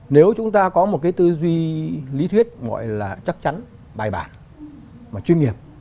nếu chúng ta có một cái tư duy lý thuyết gọi là chắc chắn bài bản mà chuyên nghiệp